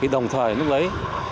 đồng thời lúc đấy